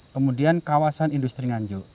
kemudian kawasan industri ganjo